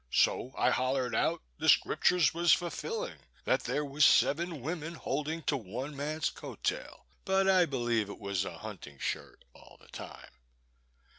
So I hollered out the Scriptures was fulfilling; that there was seven women holding to one man's coat tail. But I believe it was a hunting shirt all the time.